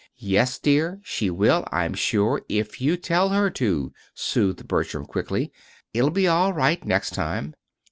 "Yes, dear, she will, I'm sure, if you tell her to," soothed Bertram, quickly. "It'll be all right next time."